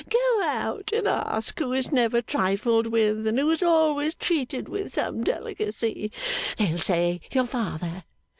Go out and ask who is never trifled with, and who is always treated with some delicacy. They'll say, your father.